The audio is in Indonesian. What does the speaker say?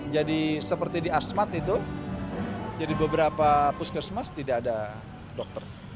jadi seperti di asmat itu jadi beberapa puskesmas tidak ada dokter